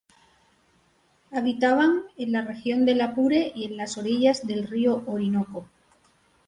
Habitaban en la región del Apure y en las orillas del río Orinoco.